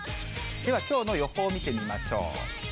では、きょうの予報見てみましょう。